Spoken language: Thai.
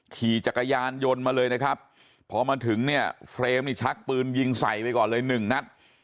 ขี่จักรยานยนต์มาเลยนะครับพอมาถึงเนี่ยเฟรมนี่ชักปืนยิงใส่ไปก่อนเลยหนึ่งนัด